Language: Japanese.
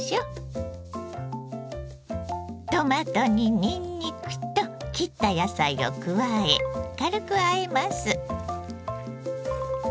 トマトににんにくと切った野菜を加え軽くあえます。